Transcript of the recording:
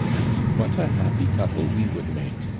All ! what a happy couple we would make!"